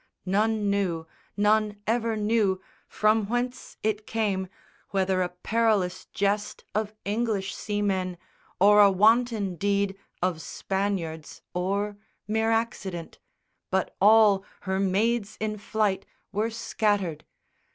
None knew, none ever knew From whence it came, whether a perilous jest Of English seamen, or a wanton deed Of Spaniards, or mere accident; but all Her maids in flight were scattered.